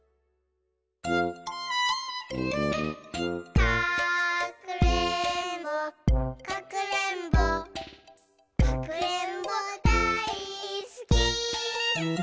「かくれんぼかくれんぼかくれんぼだいすき」